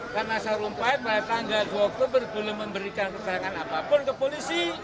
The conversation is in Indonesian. karena sarumpai pada tanggal dua oktober belum memberikan perbahanan apapun ke polisi